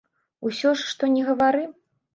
Усё ж што ні гавары.